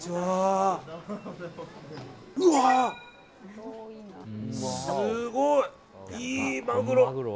うわ、すごい！いいマグロ！